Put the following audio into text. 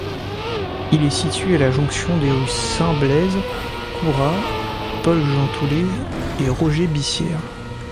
Il est situé à la jonction des rues Saint-Blaise, Courat, Paul-Jean-Toulet et Roger-Bissière.